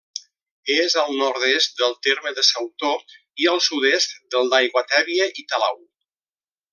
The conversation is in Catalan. És al nord-est del terme de Sautó i al sud-est del d'Aiguatèbia i Talau.